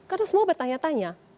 karena semua bertanya tanya